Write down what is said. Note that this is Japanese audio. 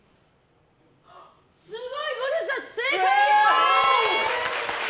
すごい！ゴリエさん正解！